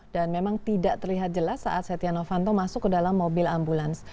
dan memang tidak terlihat jelas saat setia novanto masuk ke dalam mobil ambulans